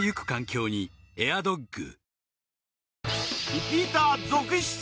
リピーター続出